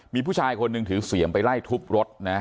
มีผู้ชายคนหนึ่งถือเสียมไปไล่ทุบรถนะ